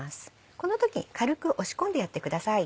この時に軽く押し込んでやってください。